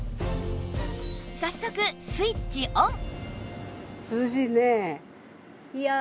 早速スイッチオン！